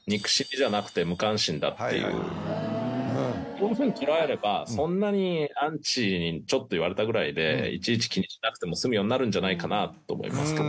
こういうふうに捉えればそんなにアンチにちょっと言われたぐらいでいちいち気にしなくても済むようになるんじゃないかなと思いますけどね。